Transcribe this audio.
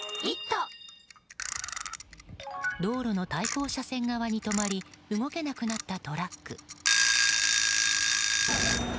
道路の対向車線側に止まり動けなくなったトラック。